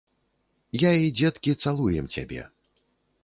Я і дзеткі цалуем цябе.